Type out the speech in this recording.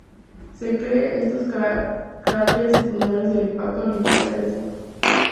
Se cree estos que son cráteres secundarios del impacto Orientale al sur.